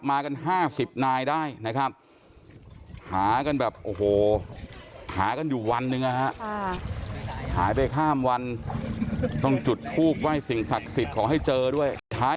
มากัน๕๐นายได้หากันอยู่วันหนึ่งหายไปข้ามวันต้องจุดทูกไว้สิ่งศักดิ์สิทธิ์ขอให้เจอด้วย